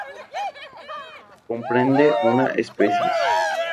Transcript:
Comprende una especies.